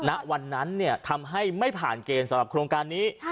ณวันนั้นทำให้ไม่ผ่านเกณฑ์สำหรับโครงการนี้